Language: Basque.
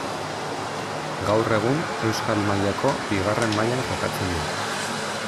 Gaur egun Euskal Mailako bigarren mailan jokatzen du.